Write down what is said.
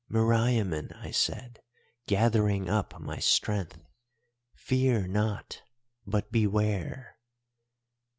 "'Meriamun,' I said, gathering up my strength, 'fear not, but beware!